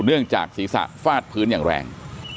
เนื่องจากศีรษะฟาดพื้นอย่างแรง